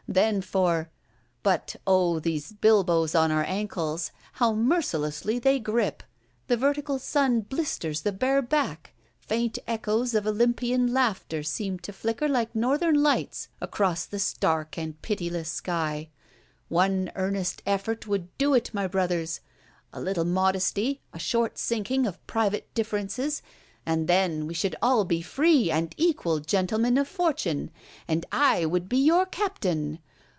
Then for—but O these bilboes on our ankles, how mercilessly they grip! The vertical sun blisters the bare back: faint echoes of Olympian laughter seem to flicker like Northern Lights across the stark and pitiless sky. One earnest effort would do it, my brothers! A little modesty, a short sinking of private differences; and then we should all be free and equal gentlemen of fortune, and I would be your Captain!